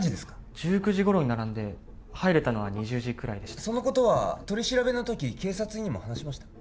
１９時頃に並んで入れたのは２０時くらいでしたそのことは取り調べの時警察にも話しました？